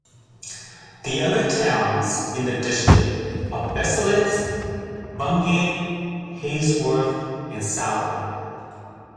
The other towns in the district are Beccles, Bungay, Halesworth and Southwold.